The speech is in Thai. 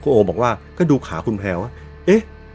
โอบอกว่าก็ดูขาคุณแพลวว่าเอ๊ะ